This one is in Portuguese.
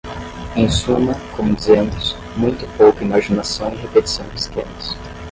Em suma, como dizemos, muito pouca imaginação e repetição de esquemas.